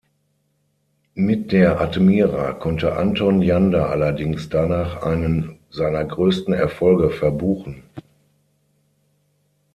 Mit der Admira konnte Anton Janda allerdings danach einen seiner größten Erfolge verbuchen.